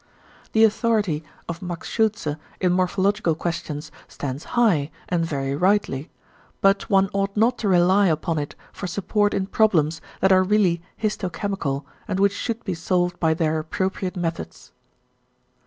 The authority of Max Schultze in morphological questions stands high, and very rightly; but one ought not to rely upon it for support in problems that are really histo chemical, and which should be solved by their appropriate methods.